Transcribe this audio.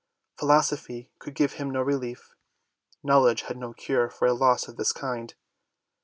Philosophy could give him no relief : knowledge had no cure for a loss of this kind.